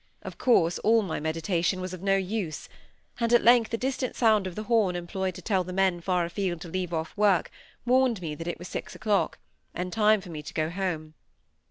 Of course all my meditation was of no use; and at length the distant sound of the horn employed to tell the men far afield to leave off work, warned me that it was six o"clock, and time for me to go home.